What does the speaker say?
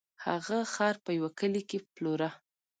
هغه خر په یوه کلي کې پلوره.